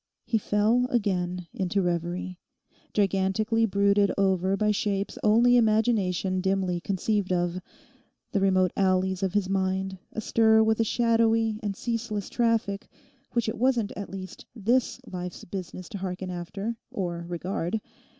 He fell again into reverie, gigantically brooded over by shapes only imagination dimly conceived of: the remote alleys of his mind astir with a shadowy and ceaseless traffic which it wasn't at least this life's business to hearken after, or regard.